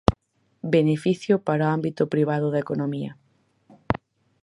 Beneficio para o ámbito privado da economía.